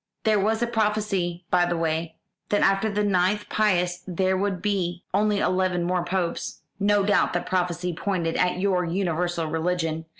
There was a prophecy, by the way, that after the ninth Pius there would be only eleven more Popes. No doubt that prophecy pointed at your universal religion.